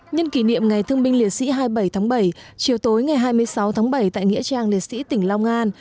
nhân kỷ niệm ngày thương binh liệt sĩ hai mươi bảy tháng bảy chiều tối ngày hai mươi sáu tháng bảy tại nghĩa trang liệt sĩ tỉnh long an